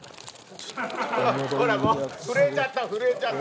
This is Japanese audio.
ほらもう震えちゃった震えちゃった。